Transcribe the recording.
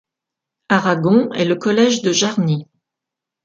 Aragon est le collège de Jarny.